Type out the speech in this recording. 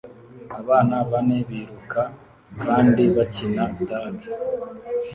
Abana bane biruka kandi bakina tagi